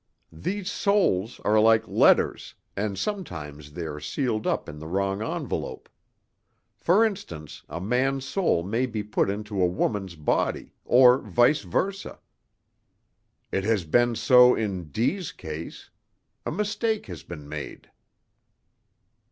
These souls are like letters, and sometimes they are sealed up in the wrong envelope. For instance, a man's soul may be put into a woman's body, or vice versâ. It has been so in D 's case. A mistake has been made."